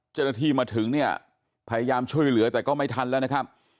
เจ้าหน้าที่มาถึงเนี่ยพยายามช่วยเหลือแต่ก็ไม่ทันแล้วนะครับ